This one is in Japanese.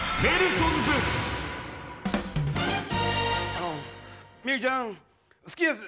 あのみゆきちゃん好きです。